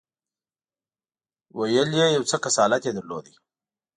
ویل یې یو څه کسالت یې درلود.